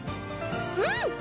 うん！